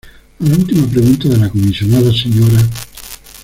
A la última pregunta de la Comisionada Sra.